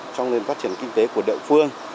trong phát triển kinh tế của đạo phương